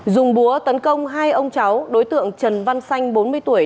dùng búa tấn công hai ông cháu đối tượng trần văn xanh bốn mươi tuổi